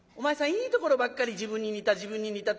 いいところばっかり自分に似た自分に似たって。